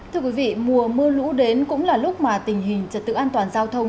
thưa quý vị mùa mưa lũ đến cũng là lúc mà tình hình trật tự an toàn giao thông